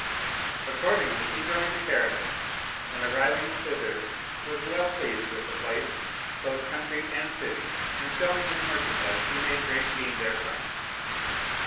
Accordingly he joined a caravan and arriving thither was well pleased with the place, both country and city ; and selling his merchandise he made great gain therefrom.